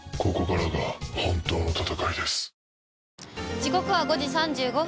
時刻は５時３５分。